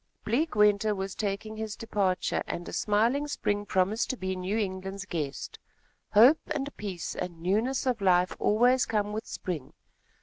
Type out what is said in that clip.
Bleak winter was taking his departure and a smiling spring promised to be New England's guest. Hope and peace and newness of life always come with spring.